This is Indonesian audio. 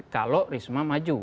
kalau risma maju